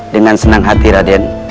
dengan senang hati raden